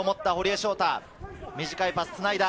短いパスをつないだ。